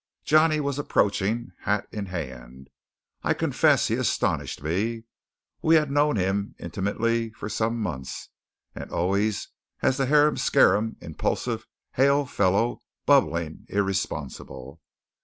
Johnny was approaching, hat in hand. I confess he astonished me. We had known him intimately for some months, and always as the harum scarum, impulsive, hail fellow, bubbling, irresponsible.